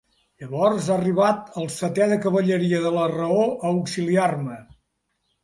Llavors ha arribat el setè de cavalleria de la raó a auxiliar-me.